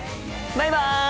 バイバイ！